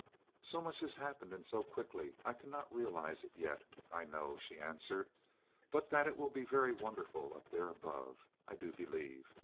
"So much has happened, and so quickly, I cannot realize it yet, I know," she answered. "But that it will be very wonderful, up there above, I do believe.